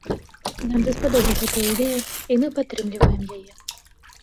Нам даспадобы гэтая ідэя, і мы падтрымліваем яе.